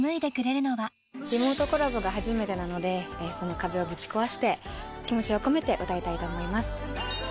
リモートコラボが初めてなのでその壁をぶち壊して気持ちを込めて歌いたいと思います。